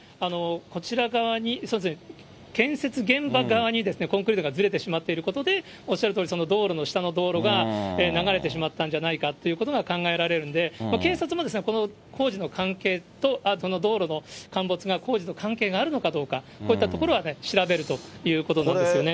こちら側に、建設現場側にコンクリートがずれてしまっていることで、おっしゃるとおり、道路の下のが流れてしまったんじゃないかということが考えられるんで、警察もこの工事の関係と、道路の陥没が工事と関係があるのかどうか、こういったところは調べるということなんですよね。